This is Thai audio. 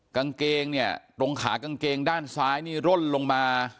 กางเกงเนี่ยตรงขากางเกงด้านซ้ายนี่ร่นลงมา